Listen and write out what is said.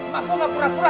ma aku tidak pura pura